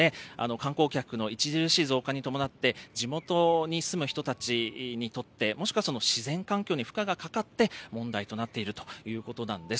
観光客の著しい増加に伴って、地元に住む人たちにとって、もしくは自然環境に負荷がかかって問題となっているということなんです。